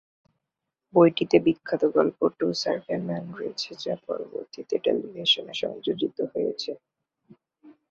বইটিতে বিখ্যাত গল্প "টু সার্ভে ম্যান" রয়েছে যা পরবর্তীতে টেলিভিশনে সংযোজিত হয়েছে।